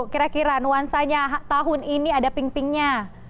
kira kira nuansanya tahun ini ada pink pinknya